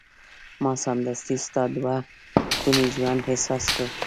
ما سمدستي ستا دوه ګونی ژوند احساس کړ.